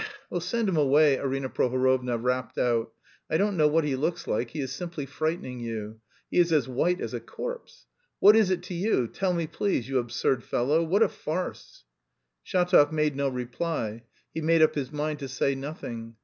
"Ech, we'll send him away," Arina Prohorovna rapped out. "I don't know what he looks like, he is simply frightening you; he is as white as a corpse! What is it to you, tell me please, you absurd fellow? What a farce!" Shatov made no reply, he made up his mind to say nothing.